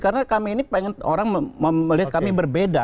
karena kami ini pengen orang melihat kami berbeda